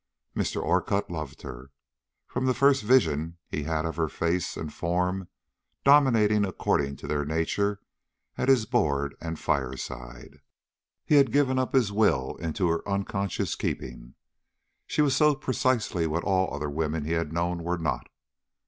Mr. Orcutt loved her. From the first vision he had of her face and form dominating according to their nature at his board and fireside, he had given up his will into her unconscious keeping. She was so precisely what all other women he had known were not.